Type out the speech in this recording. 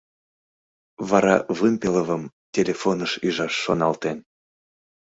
Вара Вымпеловым телефоныш ӱжаш шоналтен.